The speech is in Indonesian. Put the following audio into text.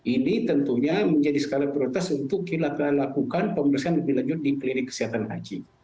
ini tentunya menjadi skala prioritas untuk kita lakukan pemeriksaan lebih lanjut di klinik kesehatan haji